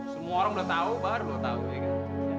semua orang udah tau baru lo tau ya kan